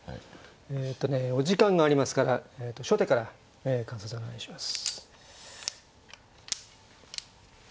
えっとねお時間がありますから初手から感想戦お願いします。